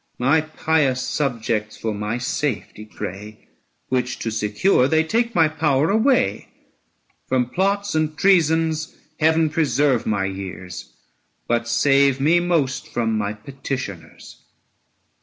My pious subjects for my safety pray, Which to secure, they take my power away. From plots and treasons Heaven preserve my years, 985 But save me most from my petitioners.